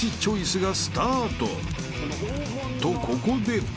［とここで］